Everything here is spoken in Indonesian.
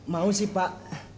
mau sih pak